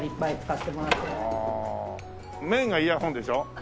メインがイヤホンでしょ。